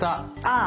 ああ。